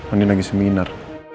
andien lagi seminar